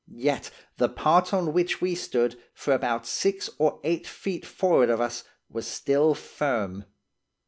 Yet, the part on which we stood, for about six or eight feet forrard of us, was still firm.